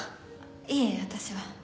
いえ私は。